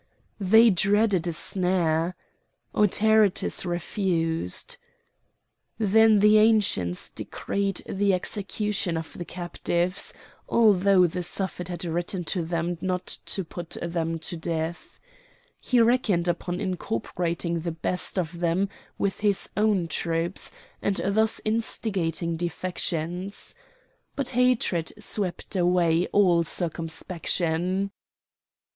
They dreaded a snare. Autaritus refused. Then the Ancients decreed the execution of the captives, although the Suffet had written to them not to put them to death. He reckoned upon incorporating the best of them with his own troops and of thus instigating defections. But hatred swept away all circumspection.